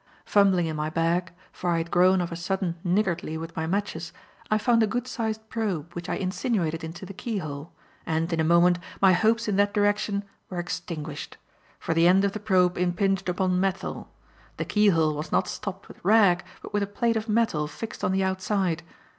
Fumbling in my bag for I had grown of a sudden niggardly with my matches I found a good sized probe, which I insinuated into the keyhole; and, in a moment, my hopes in that direction were extinguished. For the end of the probe impinged upon metal. The keyhole was not stopped with rag, but with a plate of metal fixed on the outside.